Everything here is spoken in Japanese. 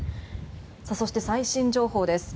そして、最新情報です。